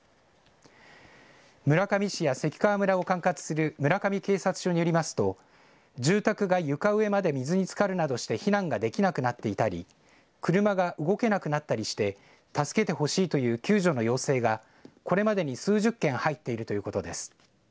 村上市や関川村を管轄する村上警察署によりますと住宅が床上まで水につかるなどして避難ができなくなっていたり車が動けなくなったりして助けてほしいという救助の要請がこれまでに数十件入っているということです。